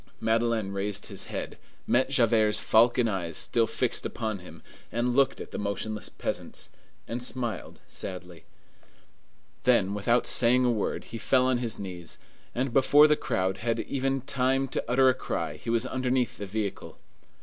Madeleine raised his head, met Javert's falcon eye still fixed upon him, looked at the motionless peasants, and smiled sadly. Then, without saying a word, he fell on his knees, and before the crowd had even had time to utter a cry, he was underneath the vehicle.